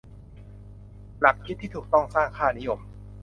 หลักคิดที่ถูกต้องสร้างค่านิยม